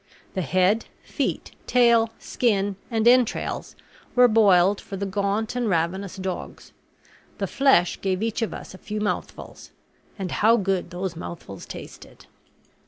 The head, feet, tail, skin, and entrails were boiled for the gaunt and ravenous dogs. The flesh gave each of us a few mouthfuls; and how good those mouthfuls tasted!